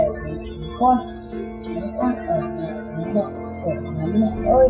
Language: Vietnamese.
sức khỏe của chúng con chúng con ở mẹ của con mẹ ơi làm sao cho hết mỗi khổ nên con chỉ mong cho mẹ dùng về con tội